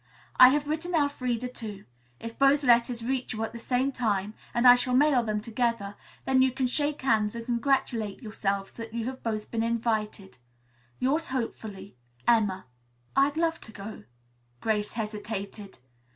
I have written Elfreda, too. If both letters reach you at the same time, and I shall mail them together, then you can shake hands and congratulate yourselves that you have both been invited. "Yours hopefully, "EMMA." "I'd love to go." Grace hesitated.